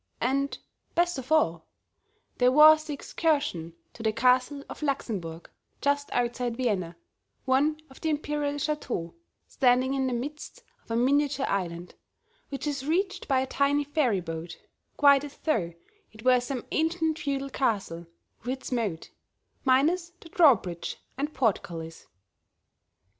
And, best of all, there was the excursion to the Castle of Laxenburg just outside Vienna, one of the imperial chateaux, standing in the midst of a miniature island, which is reached by a tiny ferry boat, quite as though it were some ancient feudal castle with its moat, minus the drawbridge and portcullis.